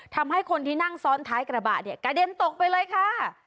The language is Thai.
ทำให้คนที่นั่งซ้อนท้ายกระบะเนี่ยกระเด็นตกไปเลยค่ะ